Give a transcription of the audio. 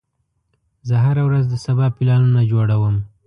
زه هره ورځ د سبا پلانونه جوړوم.